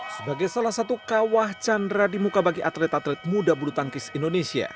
sebagai salah satu kawah chandra di muka bagi atlet atlet muda bulu tangkis indonesia